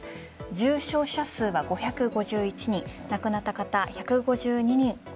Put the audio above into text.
重症者数は５５１人亡くなった方